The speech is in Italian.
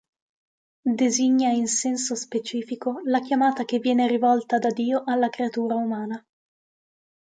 Designa in senso specifico la chiamata che viene rivolta da Dio alla creatura umana.